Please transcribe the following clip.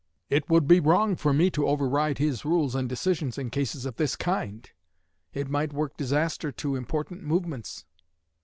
It would be wrong for me to override his rules and decisions in cases of this kind; it might work disaster to important movements.